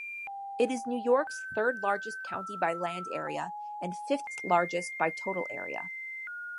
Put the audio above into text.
It is New York's third-largest county by land area and fifth-largest by total area.